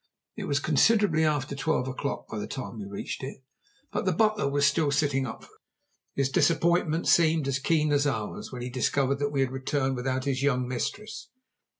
It was considerably after twelve o'clock by the time we reached it, but the butler was still sitting up for us. His disappointment seemed as keen as ours when he discovered that we had returned without his young mistress.